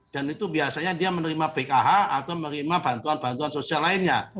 dan itu biasanya dia menerima pkh atau menerima bantuan bantuan sosial lainnya